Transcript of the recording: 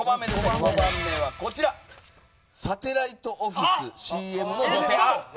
５番目はこちらサテライトオフィスＣＭの女性。